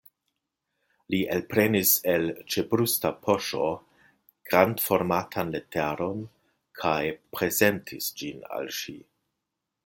Li elprenis el ĉebrusta poŝo grandformatan leteron kaj prezentis ĝin al ŝi.